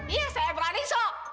iya saya berani sok